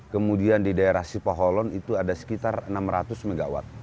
kemudian di daerah sipoholon itu ada sekitar enam ratus mw